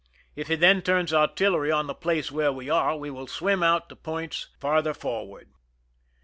If he then turns artillery on the place where we are, we will swim out to points farther forward."